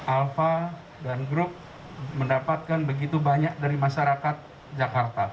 alpha dan grup mendapatkan begitu banyak dari masyarakat jakarta